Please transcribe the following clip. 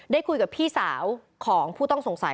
ได้คุยกับพี่สาวของผู้ต้องสงสัย